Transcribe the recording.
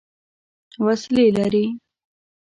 وسلې لري.